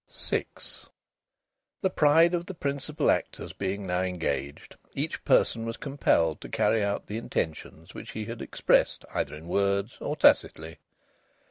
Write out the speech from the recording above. VI The pride of the principal actors being now engaged, each person was compelled to carry out the intentions which he had expressed either in words or tacitly.